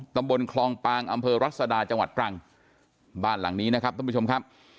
ตำบลคลองปางอำเภอรัศดาจังหวัดตรังบ้านหลังนี้นะครับท่านผู้ชมครับ